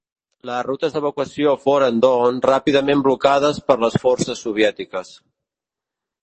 Les rutes d'evacuació foren, doncs, ràpidament blocades per les forces soviètiques.